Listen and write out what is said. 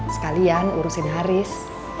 sekalian urusin haris